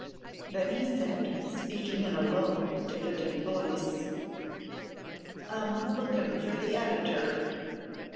Then he said, speaking in a low, diffident voice: "I'm lookin' for the editor."